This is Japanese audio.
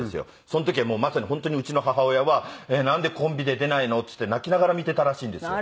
その時はまさに本当にうちの母親は「なんでコンビで出ないの？」って言って泣きながら見ていたらしいんですよ。